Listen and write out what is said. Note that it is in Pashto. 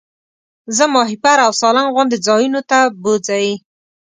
زه ماهیپر او سالنګ غوندې ځایونو ته بوځئ.